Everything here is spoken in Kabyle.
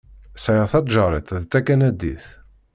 Sεiɣ taǧaret d takanadit.